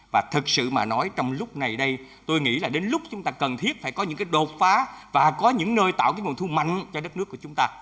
và thật sự mà nói trong lúc này đây tôi nghĩ là đến lúc chúng ta cần thiết phải có những cái đột phá và có những nơi tạo cái nguồn thu mạnh cho đất nước của chúng ta